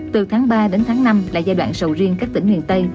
từ tháng ba đến tháng năm là giai đoạn sầu riêng các tỉnh miền tây